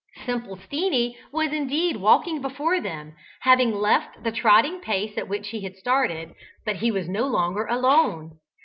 "Simple Steenie" was indeed walking before them, having left the trotting pace at which he had started, but he was no longer alone!